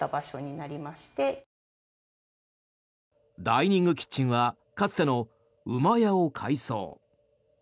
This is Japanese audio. ダイニングキッチンはかつてのうまやを改装。